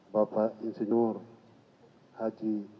bapak insinyur haji